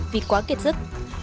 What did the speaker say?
vì quá kiệt sức